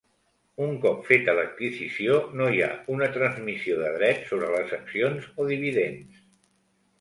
Un cop feta l'adquisició, no hi ha una transmissió de drets sobres les accions o dividends.